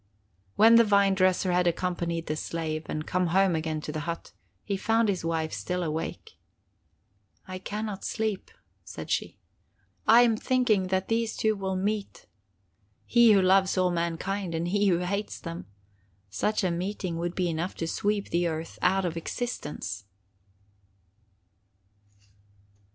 When the vine dresser had accompanied the slave, and come home again to the hut, he found his wife still awake. "I can not sleep," said she. "I am thinking that these two will meet: he who loves all mankind, and he who hates them. Such a meeting would be enough to sweep the earth out of existence!"